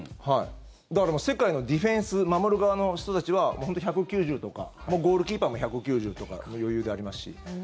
だから、世界のディフェンス守る側の人たちは１９０とかゴールキーパーも１９０とか余裕でありますし。